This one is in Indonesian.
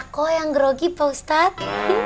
kok yang grogi pak ustadz